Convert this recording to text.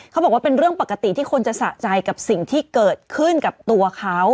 เขาบอกว่าเป็นเรื่องปกติที่คนจะสะใจกับสิ่งที่เกิดขึ้นกับตัวเขา